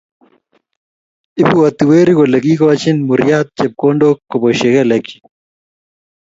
Ibwoti weri kole kiikochini muryat chepkondook koboisye kelekchi.